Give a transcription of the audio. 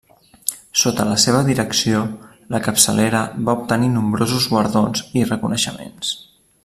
Sota la seva direcció, la capçalera va obtenir nombrosos guardons i reconeixements.